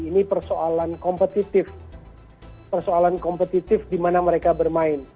ini persoalan kompetitif persoalan kompetitif di mana mereka bermain